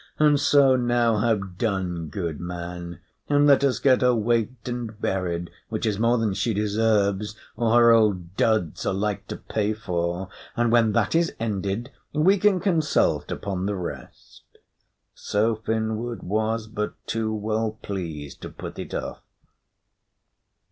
And so now, have done, good man, and let us get her waked and buried, which is more than she deserves, or her old duds are like to pay for. And when that is ended, we can consult upon the rest." So Finnward was but too well pleased to put it off.